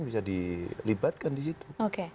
bisa dilibatkan disitu